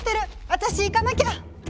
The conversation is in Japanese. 私行かなきゃ！